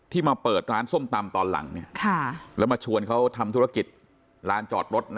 มาเปิดร้านส้มตำตอนหลังแล้วมาชวนเขาทำธุรกิจร้านจอดรถ